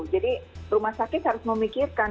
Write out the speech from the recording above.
jadi rumah sakit harus memikirkan